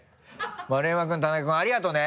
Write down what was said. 丸山君田中君ありがとね。